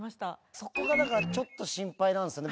そこがだからちょっと心配なんですよね。